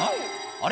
あれ？